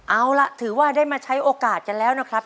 เอาล่ะถือว่าได้มาใช้โอกาสกันแล้วนะครับ